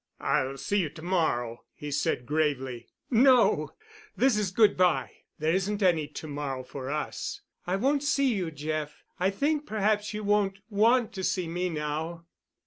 "I'll see you to morrow," he said gravely. "No, this is good by. There isn't any to morrow for us. I won't see you, Jeff. I think perhaps you won't want to see me now."